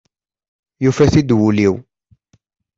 Yufa-t-id wul-iw.